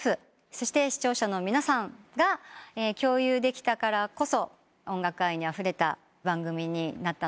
そして視聴者の皆さんが共有できたからこそ音楽愛にあふれた番組になったのかなと思っております。